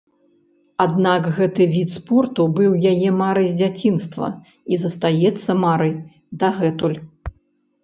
Аднак гэты від спорту быў яе марай з дзяцінства і застаецца марай дагэтуль.